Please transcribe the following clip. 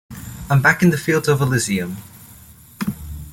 I'm back in the fields of Elysium.